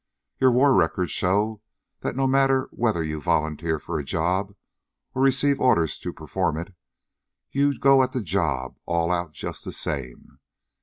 Your war records show that no matter whether you volunteer for a job, or receive orders to perform it, you go at the job all out just the same.